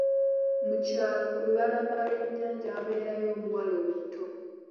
Mu kyalo ku lubalama Iwe'nyanja, waabeerayo omuwala omuto.